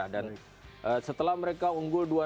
dan setelah mereka unggul dua